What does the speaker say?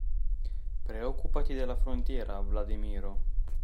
Preoccupati della frontiera, Vladimiro!